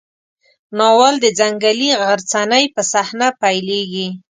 ناول د ځنګلي غرڅنۍ په صحنه پیلېږي.